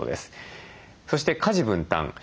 そして家事分担。